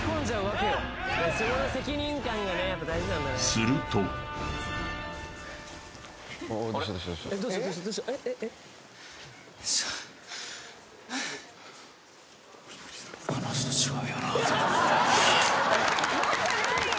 するとよくないよ